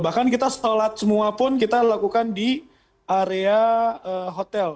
bahkan kita sholat semua pun kita lakukan di area hotel